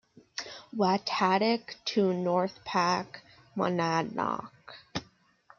Watatic to North Pack Monadnock.